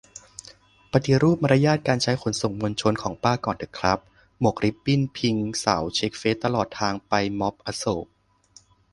ปฏิรูปมารยาทการใช้ขนส่งมวลชนของป้าก่อนเถอะครับ หมวกริบบิ้นพิงเสาเช็คเฟซตลอดทางไปม็อบอโศก